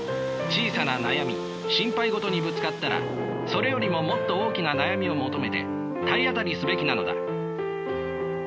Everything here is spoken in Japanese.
小さな悩み心配事にぶつかったらそれよりももっと大きな悩みを求めて体当たりすべきなのだ。